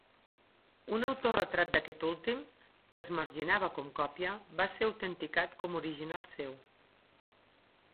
Un autoretrat d'aquest últim, que es marginava com còpia, va ser autenticat com original seu.